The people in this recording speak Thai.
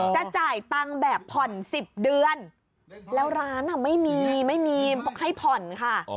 จะจ่ายตังค์แบบผ่อน๑๐เดือนแล้วร้านไม่มีไม่มีให้ผ่อนค่ะ